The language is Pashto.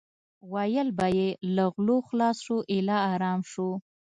ویل به یې له غلو خلاص شو ایله ارام شو.